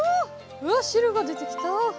うわっ汁が出てきた。